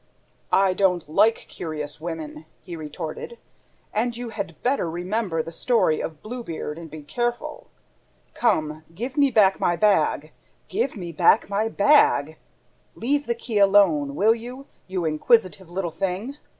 "I don't like curious women," he retorted, "and you had better remember the story of BLUE BEARD and be careful ... Come, give me back my bag! ... Give me back my bag! ... Leave the key alone, will you, you inquisitive little thing?"